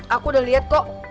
aku udah lihat kok